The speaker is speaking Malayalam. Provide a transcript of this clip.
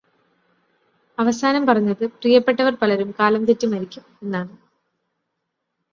അവസാനം പറഞ്ഞത് "പ്രിയപ്പെട്ടവർ പലരും കാലം തെറ്റി മരിക്കും” എന്നാണ്.